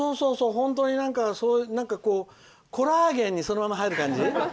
本当にコラーゲンにそのまま入る感じ。